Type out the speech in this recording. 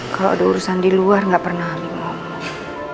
kalau ada urusan di luar gak pernah ambil ngomong